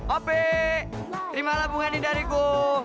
oke terimalah bunga ini dariku